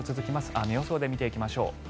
雨予想で見ていきましょう。